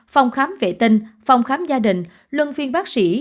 phòng khám vệ tinh phòng khám gia đình luân phiên bác sĩ